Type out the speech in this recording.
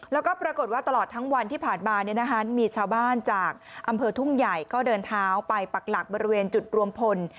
แล้วก็ปรากฏว่าตลอดทั้งวันที่ผ่านมามีชาวบ้านจากอำเภอทุ่งใหญ่ก็เดินเท้าไปปักหลักบริเวณจุดรวมพล